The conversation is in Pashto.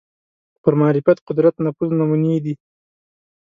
پر معرفت قدرت نفوذ نمونې دي